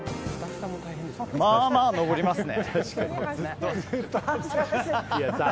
まあまあ上りますね。